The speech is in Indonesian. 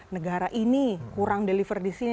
negara ini kurang deliver disini